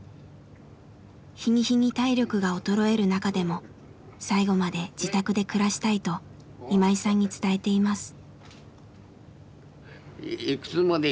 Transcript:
日に日に体力が衰える中でも最期まで自宅で暮らしたいと今井さんに伝えています。